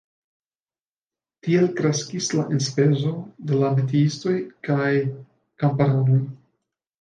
Tiel kreskis la enspezo de la metiistoj kaj kamparanoj.